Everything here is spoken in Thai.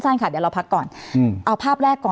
เดี๋ยวเราพักก่อนเอาภาพแรก